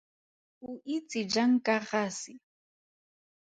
O itse jang ka ga se?